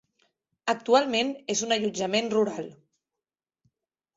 Actualment és un allotjament rural.